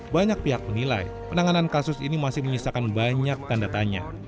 banyak pihak menilai penanganan kasus ini masih menyisakan banyak tanda tanya